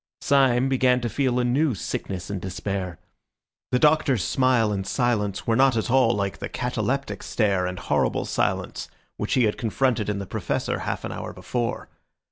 Syme began to feel a new sickness and despair. The Doctor's smile and silence were not at all like the cataleptic stare and horrible silence which he had confronted in the Professor half an hour before.